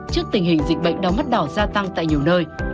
trước tình hình dịch bệnh đau mắt đỏ gia tăng tại nhiều nơi